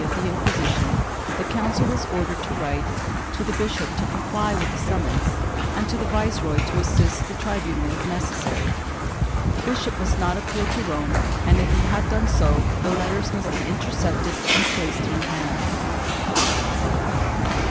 of the Inquisition, the Council was ordered to write to the bishop to comply with the summons, and to the viceroy to assist the tribunal if necessary; the bishop must not appeal to Rome and if he had done so the letters must be intercepted and placed in her hands.